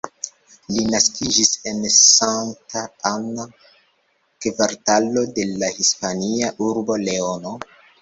Li naskiĝis en Santa Ana, kvartalo de la Hispania urbo Leono.